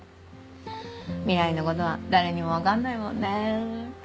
未来のことは誰にも分かんないもんね。